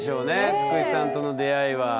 つくしさんとの出会いは。